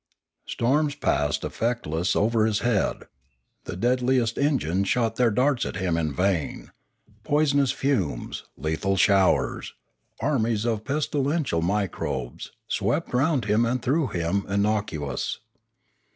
Storms passed effectless over his head; the deadliest engines shot their darts at him in vain; poisonous fumes, lethal showers, armies of pestilential microbes, swept round him and through him innocuous.